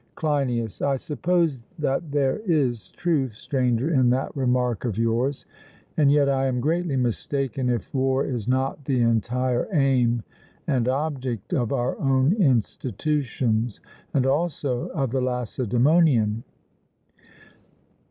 CLEINIAS: I suppose that there is truth, Stranger, in that remark of yours; and yet I am greatly mistaken if war is not the entire aim and object of our own institutions, and also of the Lacedaemonian.